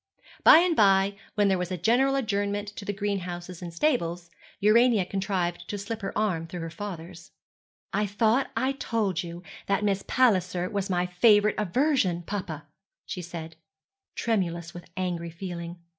By and by, when there was a general adjournment to the greenhouses and stables, Urania contrived to slip her arm through her father's. 'I thought I told you that Miss Palliser was my favourite aversion, papa,' she said, tremulous with angry feeling.